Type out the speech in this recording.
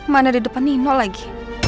mana di depan nino lagi